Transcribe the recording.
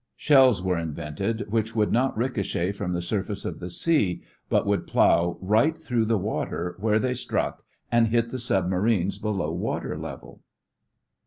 Shells were invented which would not ricochet from the surface of the sea, but would plow right through the water, where they struck and hit the submarine below water level.